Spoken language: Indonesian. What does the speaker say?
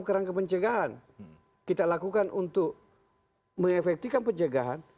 kemencegahan kita lakukan untuk mengefektikan pencegahan